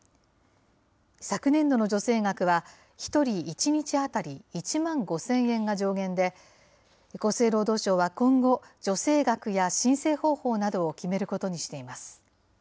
昨年度の助成額は、１人１日当たり１万５０００円が上限で、厚生労働省は今後、助成額や申請方法などを決めることにしています。